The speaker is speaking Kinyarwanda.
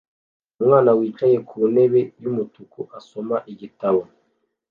Umwana wicaye ku ntebe yumutuku asoma igitabo